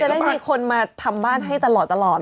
ได้มีคนมาทำบ้านให้ตลอด